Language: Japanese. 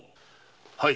はい。